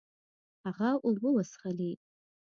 هغه اوبه وڅښلې.